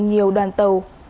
nhiều đoàn tàu